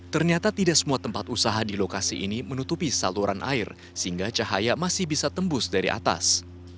ternyata tidak semua tempat usaha di lokasi ini menutupi saluran air sehingga cahaya masih bisa tembus dari atas